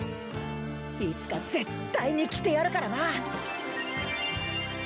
いつか絶対に着てやるからな！